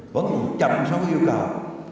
vẫn chậm so với yêu cầu